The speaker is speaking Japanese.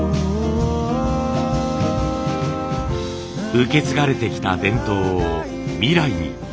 受け継がれてきた伝統を未来に。